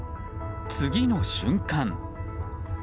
次の瞬間。